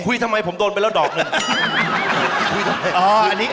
ทำไมผมโดนไปแล้วดอกหนึ่ง